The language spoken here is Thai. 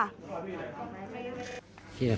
คิดอะไรครับ